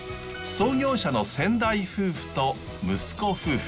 創業者の先代夫婦と息子夫婦。